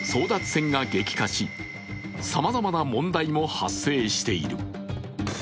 世界では争奪戦が激化しさまざまな問題も発生している。